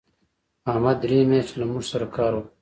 احمد درې میاشتې له موږ سره کار وکړ.